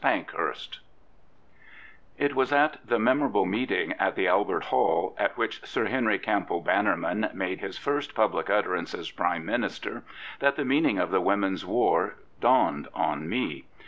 PANKHURST It was at the memorable meeting at the Albert Hall at which Sir Henry Campbell Bannerman made his first public utterance as Prime Minister that the meaning of the women's war dawned on me.